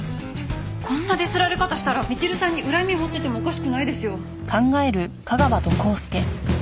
こんなディスられ方したらみちるさんに恨み持っててもおかしくないですよ。